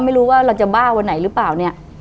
ไม่ไหวแล้ว